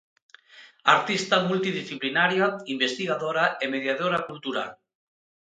Artista multidisciplinaria, investigadora e mediadora cultural.